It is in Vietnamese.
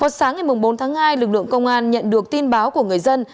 sáng ngày bốn tháng hai lực lượng công an nhận được tin báo của người dân